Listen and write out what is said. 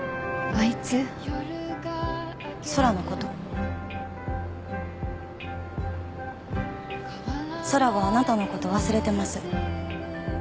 空のこと空はあなたのこと忘れてます